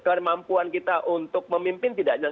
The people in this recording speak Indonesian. kemampuan kita untuk memimpin tidak jalan